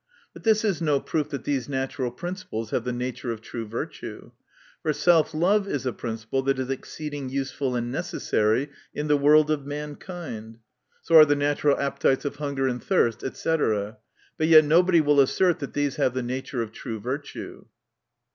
But this is no proof that these natural principles have the nature of true virtue. For self love is a prin ciple that is exceeding useful and necessary in the world of mankind. So are the natural appetites of hunger and thirst, &c. But yet nobody will assert, that these have the nature of true virtue.